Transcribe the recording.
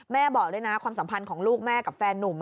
บอกด้วยนะความสัมพันธ์ของลูกแม่กับแฟนนุ่ม